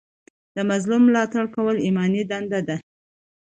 د مظلوم ملاتړ کول ایماني دنده ده.